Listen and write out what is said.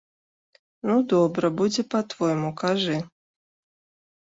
Ну, добра, будзе па-твойму, кажы.